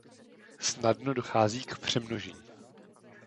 Snadno dochází k přemnožení.